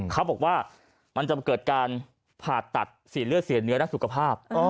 เขาบอกว่ามันจะเกิดการผ่าตัดเสียเลือดเสียเนื้อด้านสุขภาพ